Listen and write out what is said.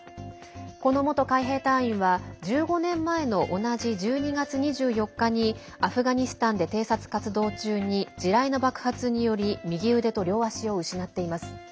この元海兵隊員は１５年前の同じ１２月２４日にアフガニスタンで偵察活動中に地雷の爆発により右腕と両足を失っています。